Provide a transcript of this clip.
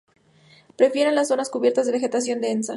Prefiere las zonas cubiertas de vegetación densa.